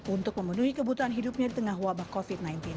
untuk memenuhi kebutuhan hidupnya di tengah wabah covid sembilan belas